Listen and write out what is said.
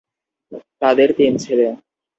তাদের তিন ছেলে।